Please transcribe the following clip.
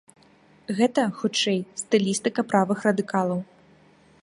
Гэта, хутчэй, стылістыка правых радыкалаў.